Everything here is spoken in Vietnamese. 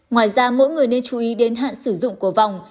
ngoài ra mỗi người nên chú ý đến hạn sử dụng của vòng